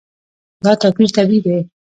دا توپیر طبیعي دی.